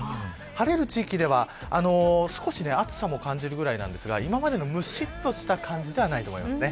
晴れる地域では少し暑さも感じるぐらいなんですが今までのむしっとした感じではないと思います。